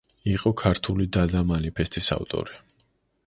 იყო ქართული დადა მანიფესტის ავტორი.